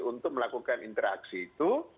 untuk melakukan interaksi itu